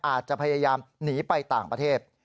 อาจจะพยายามหนีไปต่างประเทศ